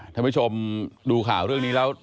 ท่านผู้ชมดูข่าวเรื่องนี้แล้ว